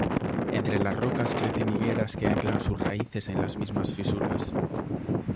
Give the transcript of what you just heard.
Entre las rocas crecen higueras que anclan sus raíces en las mismas fisuras.